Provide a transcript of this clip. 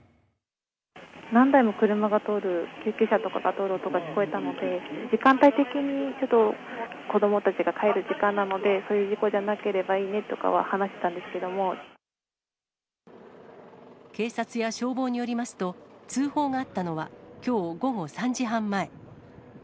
何台も車が通る、救急車とかが通る音が聞こえたので、時間帯的にちょっと、子どもたちが帰る時間なので、そういう事故じゃなければいいねとかは話してたんで警察や消防によりますと、通報があったのはきょう午後３時半前。